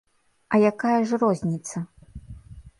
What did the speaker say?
А якая ж розніца?